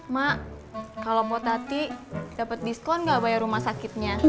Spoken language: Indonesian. mak kalau potati dapet diskon gak bayar rumah sakitnya